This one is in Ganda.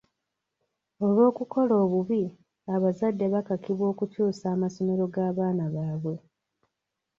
Olw'okukola obubi, abazadde bakakibwa okukyusa amasomero g'abaana baabwe.